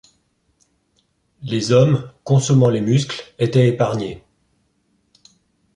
Les hommes, consommant les muscles, étaient épargnés.